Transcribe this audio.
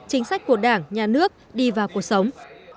chính sách của đảng nhà nước đi vào cuộc sống